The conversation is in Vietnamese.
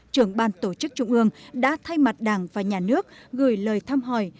trưởng ban tổ chức trung ương đã thay mặt đảng và nhà nước gửi lời thăm hỏi